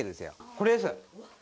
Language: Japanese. これです。